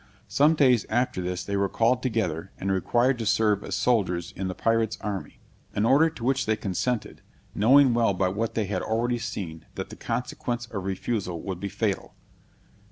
Some days after this they were called together, and required to serve as soldiers in the pirates army; an order to which they consented, knowing well by what they had already seen, that the consequence of refusal would be fatal.